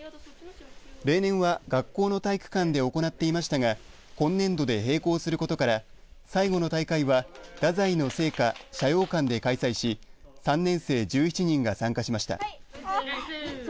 例年は学校の体育館で行っていましたが今年度で閉校することから最後の大会は太宰の生家斜陽館で開催し３年生１７人が参加しました。